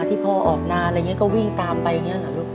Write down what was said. ที่พ่อออกนานก็วิ่งตามไปเหรอลูก